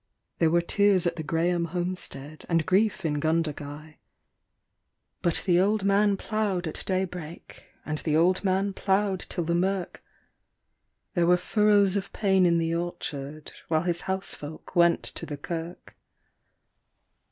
There were tears at the Grahame homestead and grief in Gundagai; But the old man ploughed at daybreak and the old man ploughed till the mirk There were furrows of pain in the orchard while his housefolk went to the kirk.